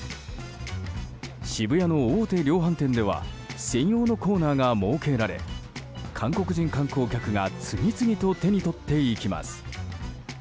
渋谷の大手量販店では専用のコーナーが設けられ韓国人観光客が次々と手に取っていきます。